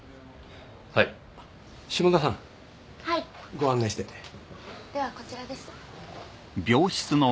はい下田さんはいご案内してではこちらです